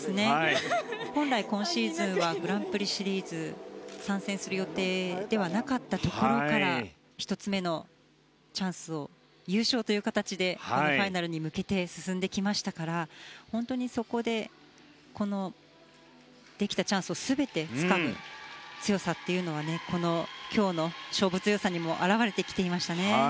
本来、今シーズンはグランプリシリーズに参戦する予定ではなかったところから１つ目のチャンスを優勝という形でファイナルに向けて進んできましたから本当に、そこでできたチャンスを全て使った強さというのは今日の勝負強さにも表れてきていましたね。